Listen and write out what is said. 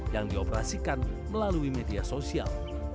yang dioperasikan melalui media sosial